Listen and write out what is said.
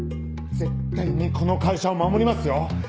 絶対にこの会社を守りますよ！